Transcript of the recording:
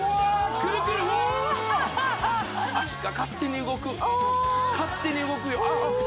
くるくるうわ脚が勝手に動く勝手に動くよ